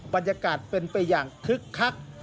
บรรยากาศเป็นไปอย่างคึกคัก